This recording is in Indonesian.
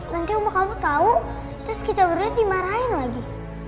nanti om kamu tau terus kita berdua dimarahin lagi